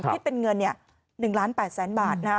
ที่เป็นเงิน๑๘๐๐๐๐๐บาท